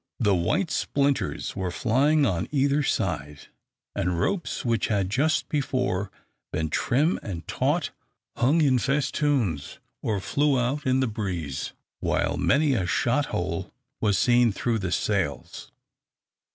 The white splinters were flying on either side, and ropes which had just before been trim and taut hung in festoons or flew out in the breeze, while many a shot hole was seen through the sails.